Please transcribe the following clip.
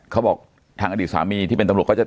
เขาบอกทางอดีตสามีที่เป็นตำรวจเขาจะ